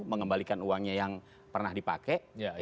mengembalikan uangnya yang pernah dipakai